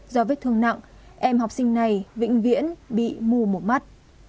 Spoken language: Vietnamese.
do vết thương nặng em học sinh này vĩnh viễn bị mù một mắt